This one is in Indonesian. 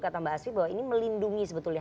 kata mbak asfi bahwa ini melindungi sebetulnya